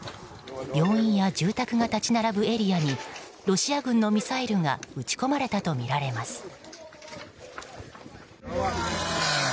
病院や住宅が立ち並ぶエリアにロシア軍のミサイルが撃ち込まれたとみられます。